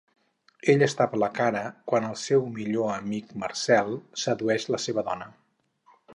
Ell es tapa la cara quan el seu millor amic, Marcel, sedueix la seva dona.